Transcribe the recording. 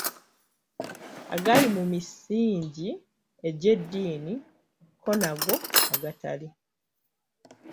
Agali mu misingi egy’eddiini ko n’ago agatali.